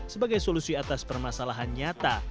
sebagai solusi atas permasalahan nyata